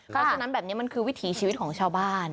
เพราะฉะนั้นแบบนี้มันคือวิถีชีวิตของชาวบ้าน